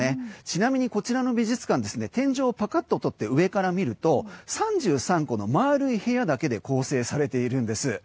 ちなみに、こちらの美術館天井をパカッと取って上から見ると３３個の丸い部屋だけで構成されているんです。